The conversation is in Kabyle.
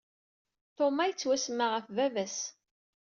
Thomas yettwasemma ɣef baba-s.